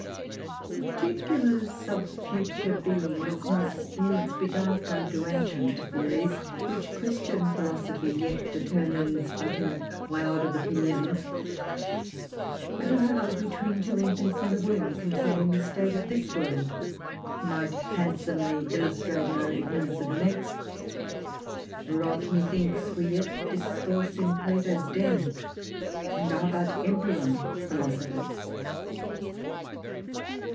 The particulars of future beings must needs be dark unto ancient theories, which Christian philosophy yet determines but in a cloud of opinions. A dialogue between two infants in the womb concerning the state of this world, might handsomely illustrate our ignorance of the next, whereof methinks we yet discourse in Plato's den, and are but embryon philosophers.